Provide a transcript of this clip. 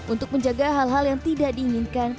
untuk menjaga hal hal yang tidak diinginkan